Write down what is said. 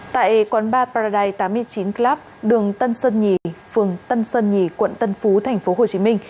tại quán ba paradise tám mươi chín club đường tân sơn nhì phường tân sơn nhì quận tân phú tp hcm